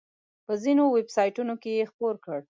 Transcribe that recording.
په ځینو ویب سایټونو کې یې خپور کړ.